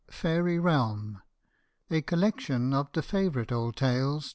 FAIRY REALM A COLLECTION OF THE FAVOURITE OLD TALES.